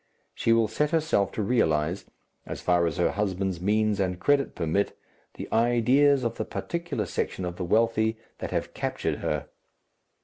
She will set herself to realize, as far as her husband's means and credit permit, the ideas of the particular section of the wealthy that have captured her.